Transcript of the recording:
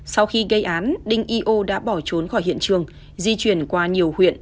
sau khi gây án đinh y ô đã bỏ trốn khỏi hiện trường di chuyển qua nhiều huyện